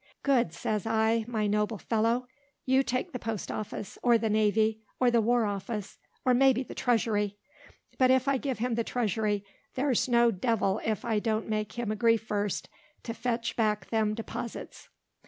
Good, says I, my noble fellow! You take the post office; or the navy; or the war office; or may be the treasury. But if I give him the treasury, there's no devil if I don't make him agree first to fetch back them deposites.